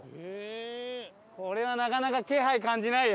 これはなかなか気配感じないよ。